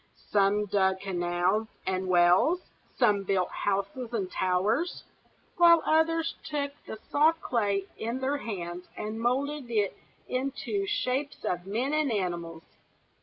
Some dug canals and wells, some built houses and towers; while others took the soft clay in their hands and moulded it into shapes of men and animals.